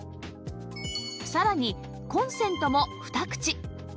さらにコンセントも２口